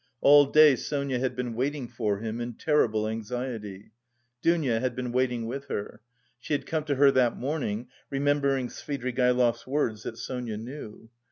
All day Sonia had been waiting for him in terrible anxiety. Dounia had been waiting with her. She had come to her that morning, remembering Svidrigaïlov's words that Sonia knew.